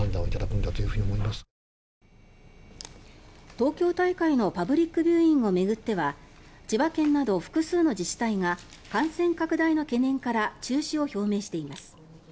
東京大会のパブリックビューイングを巡っては千葉県など複数の自治体が感染拡大の懸念から中止を表明しています。